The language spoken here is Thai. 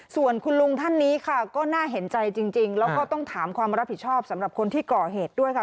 ส่วนคุณลุงท่านนี้ค่ะก็น่าเห็นใจจริงแล้วก็ต้องถามความรับผิดชอบสำหรับคนที่ก่อเหตุด้วยค่ะ